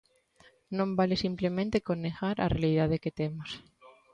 Non vale simplemente con negar a realidade que temos.